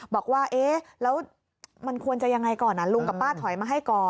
บอกว่าเอ๊ะแล้วมันควรจะยังไงก่อนลุงกับป้าถอยมาให้ก่อน